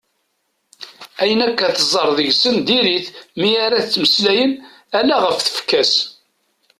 Ayen akk i teẓẓar deg-sen diri-t mi ara as-d-ttmeslayen ala ɣef tfekka-s.